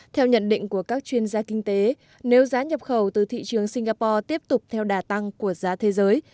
theo nhận định của các chuyên gia kinh tế nếu giá nhập khẩu từ thị trường singapore tiếp tục theo đà tăng của giá thế giới